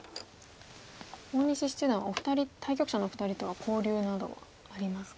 大西七段は対局者のお二人とは交流などはありますか？